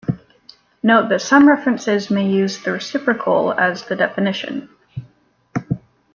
Note that some references may use the reciprocal as the definition.